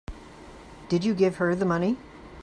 Did you give her the money?